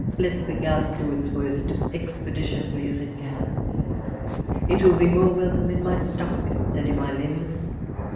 let the gout do its worst as expedi tiously as it can ; it would be more welcome in my stomach than in my limbs.